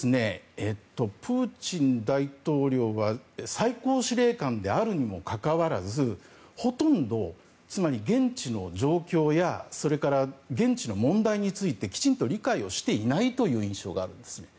プーチン大統領が最高司令官であるにもかかわらずほとんど、現地の状況や現地の問題についてきちんと理解をしていないという印象があるんですね。